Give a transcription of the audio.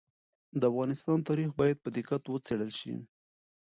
د افغانستان تاریخ باید په دقت وڅېړل سي.